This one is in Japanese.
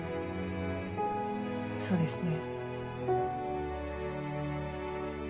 そうですね。